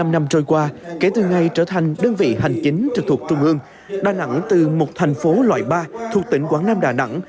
bảy mươi năm năm trôi qua kể từ ngày trở thành đơn vị hành chính trực thuộc trung ương đà nẵng từ một thành phố loại ba thuộc tỉnh quảng nam đà nẵng